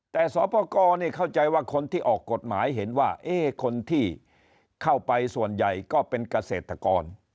แต่สอบประกอบเข้าใจว่าคนที่ออกกฎหมายเห็นว่าคนที่เข้าไปส่วนใหญ่ก็เป็นเกษตรกร